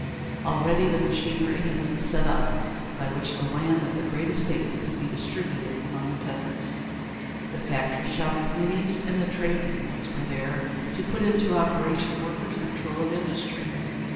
Already the machinery had been set up by which the land of the great estates could be distributed among the peasants. The Factory Shop Committees and the Trade Unions were there to put into operation workers' control of industry.